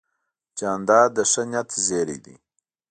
جانداد د ښه نیت زېرى دی.